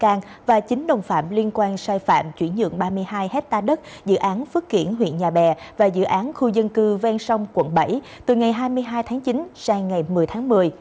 tòa án nhân dân tp hcm và chính đồng phạm liên quan sai phạm chuyển nhượng ba mươi hai hectare đất dự án phước kiển huyện nhà bè và dự án khu dân cư vang sông quận bảy từ ngày hai mươi hai tháng chín sang ngày một mươi tháng một mươi